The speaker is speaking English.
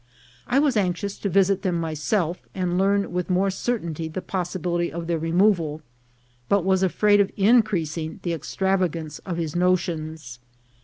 I was anxious to visit them myself, and learn with more certainty the possibility of their removal, but was afraid of increasing the extravagance of his notions.